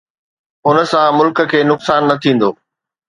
ان سان ملڪ کي نقصان نه ٿيندو؟